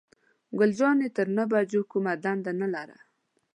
ګل جانې تر نهو بجو کومه دنده نه لرله.